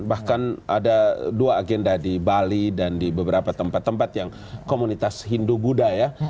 bahkan ada dua agenda di bali dan di beberapa tempat tempat yang komunitas hindu buddha ya